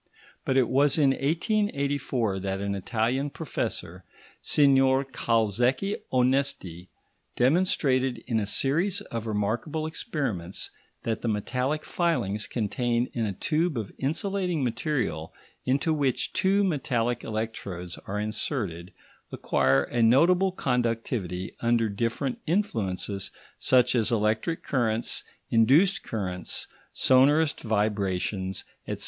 But it was in 1884 that an Italian professor, Signor Calzecchi Onesti, demonstrated in a series of remarkable experiments that the metallic filings contained in a tube of insulating material, into which two metallic electrodes are inserted, acquire a notable conductivity under different influences such as extra currents, induced currents, sonorous vibrations, etc.